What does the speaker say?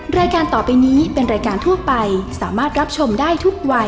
รายการต่อไปนี้เป็นรายการทั่วไปสามารถรับชมได้ทุกวัย